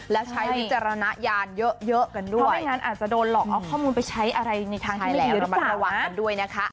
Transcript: แล้วใช้วิจารณญาณเยอะเยอะกันด้วยเพราะไม่งั้นอาจจะโดนหลอกเอาข้อมูลไปใช้อะไรในทางที่ไม่มีหรือเปล่า